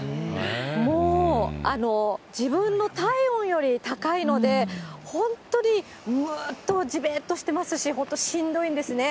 もう、自分の体温より高いので、本当にむーっと、じめーっとしてますし、ほんとしんどいんですね。